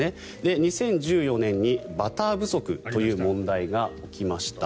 ２０１４年にバター不足という問題が起きました。